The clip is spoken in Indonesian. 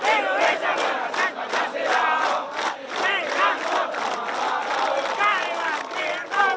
ini langkah mil